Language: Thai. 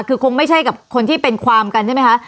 คือคงไม่ใช่กับคนที่เป็นความกันใช่ไหมคะ